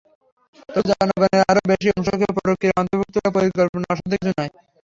তবু জনগণের আরও বেশি অংশকে প্রক্রিয়ায় অন্তর্ভুক্ত করার পরিকল্পনা অসাধ্য কিছু নয়।